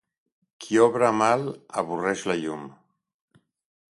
Qui obra mal avorreix la llum.